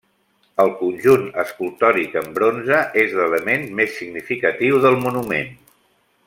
El conjunt escultòric en bronze és l'element més significatiu del monument.